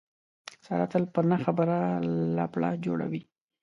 ساره تل په نه خبره لپړه جوړوي.